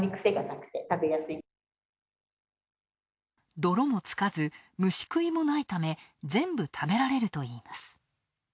泥もつかず、虫食いもないため、全部食べられるといいます。